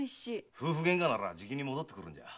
夫婦喧嘩ならじきに戻ってくるんじゃあ？